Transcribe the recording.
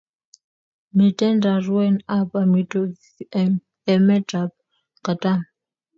Miten raruen ab amitwokik en emet ab katam